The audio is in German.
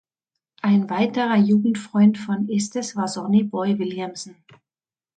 Ein weiterer Jugendfreund von Estes war Sonny Boy Williamson.